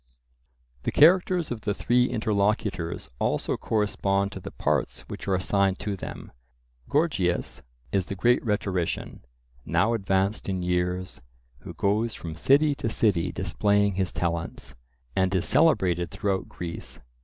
The characters of the three interlocutors also correspond to the parts which are assigned to them. Gorgias is the great rhetorician, now advanced in years, who goes from city to city displaying his talents, and is celebrated throughout Greece.